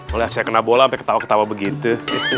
mulai saya kena bola sampai ketawa ketawa begitu